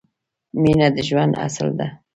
مینه د ژوند اصل ده